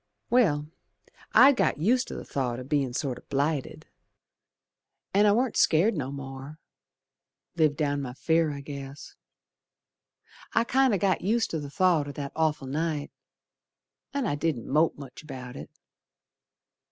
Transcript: Well, I'd got used to th' thought o' bein' sort o' blighted, An' I warn't scared no more. Lived down my fear, I guess. I'd kinder got used to th' thought o' that awful night, And I didn't mope much about it.